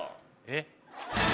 えっ？